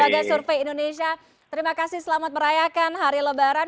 lembaga survei indonesia terima kasih selamat merayakan hari lebaran